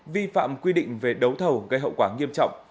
vi phạm quy định về đấu thầu gây hậu quả nghiêm trọng